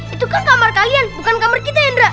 itu kan kamar kalian bukan kamar kita hendra